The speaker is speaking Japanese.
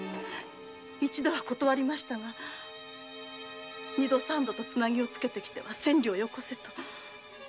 一度は断りましたが二度三度とツナギをつけてきては千両よこせと。